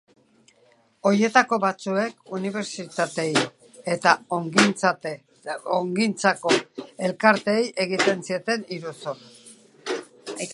Horietako batzuek unibertsitateei eta ongintzako elkarteei egiten zieten iruzur.